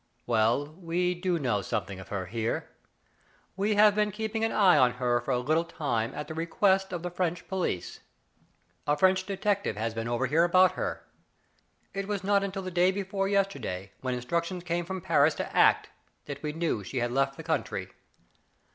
"Well, we do know something of her here. We have been keeping an eye on her for a little time at the request of the French police. A French detective has been over here about her. It was not until the day before yesterday, when instructions came from Paris to act, that we knew she had left the country."